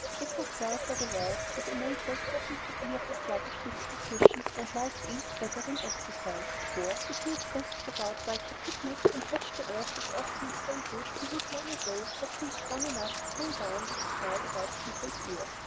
It was well for the world that Antaeus happened to be of a sluggish disposition and liked ease better than exercise; for, if he had frisked about like the Pygmies, and touched the earth as often as they did, he would long ago have been strong enough to pull down the sky about people's ears.